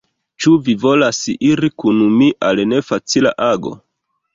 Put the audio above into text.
Ĉu vi volas iri kun mi al nefacila ago?